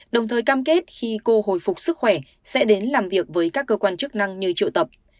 đồng thời cam kết khi cô hồi phục sức khỏe sẽ đến làm việc với các cơ quan chức năng như triệu tập